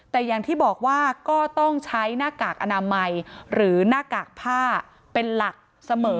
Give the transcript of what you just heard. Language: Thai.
แต่อย่างที่บอกว่าก็ต้องใช้หน้ากากอนามัยหรือหน้ากากผ้าเป็นหลักเสมอ